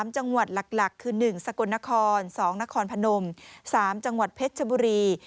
๓จังหวัดหลักคือ๑สกลนคร๒นครพนม๓จังหวัดเพชรชบุรี